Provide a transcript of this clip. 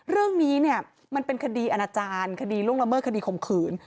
เรื่องนี้เนี่ยมันเป็นคดีอาณาจารย์คดีล่วงละเมิดคดีข่มขืน